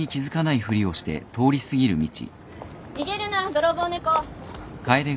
逃げるな泥棒猫。